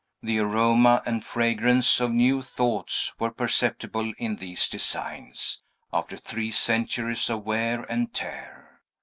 The aroma and fragrance of new thoughts were perceptible in these designs, after three centuries of wear and tear.